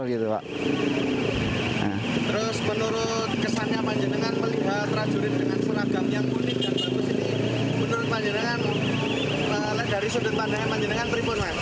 terus menurut kesannya manjendengan melihat prajurit dengan seragam yang unik dan bagus ini menurut manjendengan dari sudut pandangnya manjendengan terimpun